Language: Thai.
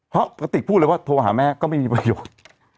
เพราะกระติกพูดเลยว่าโทรหาแม่ก็ไม่มีประโยชน์